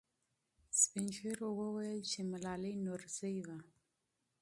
سپین ږیرو وویل چې ملالۍ نورزۍ وه.